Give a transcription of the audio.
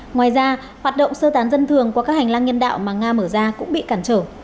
ngoài ra hoạt động sơ tán dân thường qua các hành lang nhân đạo mà nga mở ra cũng bị cản trở